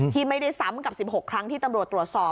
ที่ไม่ได้ซ้ำกับ๑๖ครั้งที่ตำรวจตรวจสอบ